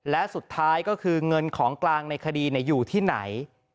และสุดท้ายก็คือเงินของกลางในคดีอยู่ที่ไหน